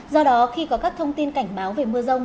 do đó khi có các thông tin cảnh báo về mưa rông